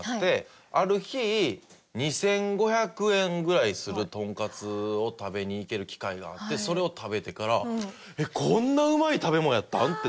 ある日２５００円ぐらいするトンカツを食べに行ける機会があってそれを食べてからこんなうまい食べ物やったん！？ってなって。